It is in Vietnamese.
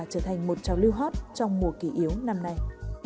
trở thành một trào lưu hot trong mùa kỷ yếu năm nay